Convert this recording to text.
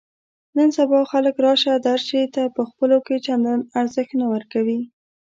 نن سبا خلک راشه درشې ته په خپلو کې چندان ارزښت نه ورکوي.